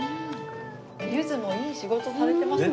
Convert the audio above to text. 柚子もいい仕事されてますねこれね。